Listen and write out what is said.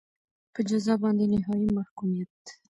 په جزا باندې نهایي محکومیت.